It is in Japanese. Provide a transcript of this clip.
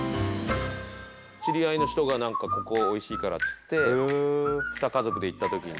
「知り合いの人がなんかここおいしいからっつってふた家族で行った時に」